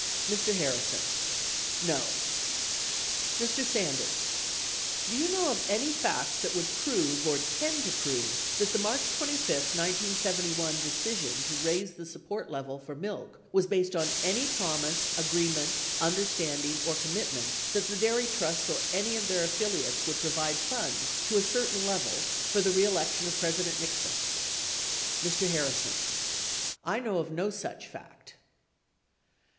Mr. Harrison. No. %% H* ■* Mr. Sanders. Do you know of any facts that would prove or tend to prove that the March 25, 1971, decision to raise the support level for milk was based on any promise, agree ment, understanding, or commitment that the dairy trusts or any of their affiliates would provide funds to a certain level for the reelection of President Nixon ? Mr. Harrison. I know of no such fact.